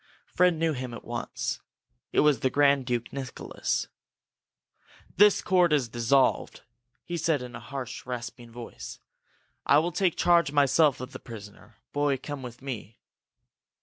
Fred knew him at once. It was the Grand Duke Nicholas. "The court is dissolved!" he said, in a harsh, rasping voice. "I will take charge myself of the prisoner. Boy, come with me!"